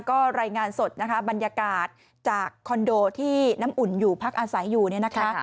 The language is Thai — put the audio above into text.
ก็รายงานสดนะคะบรรยากาศจากคอนโดที่น้ำอุ่นอยู่พักอาศัยอยู่เนี่ยนะคะ